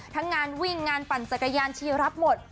ทั้งงานวิ่งงานปั่นจักรยานชีรับหมด